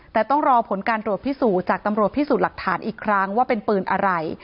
แต่ต้องรอผลการตรวจพิสูจน์จากตำรวจพิสูจน์หลักฐานอีกครั้งว่าเป็นปืนอะไร